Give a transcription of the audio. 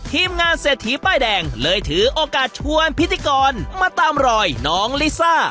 ทีมงานเศรษฐีป้ายแดงเลยถือโอกาสชวนพิธีกรมาตามรอยน้องลิซ่า